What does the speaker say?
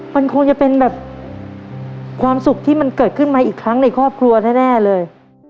มันคงจะเป็นแบบความสุขที่มันเกิดขึ้นมาอีกครั้งในครอบครัวแน่เลย